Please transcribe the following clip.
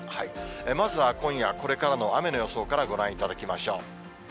まずは、今夜これからの雨の予想からご覧いただきましょう。